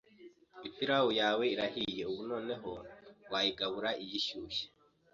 Ipirawu yawe irahiye, ubu noneho wayigabura igishyushye.